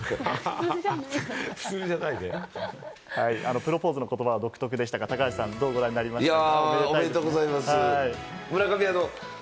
プロポーズの言葉は独特でしたが、高橋さん、どうご覧になりましたか？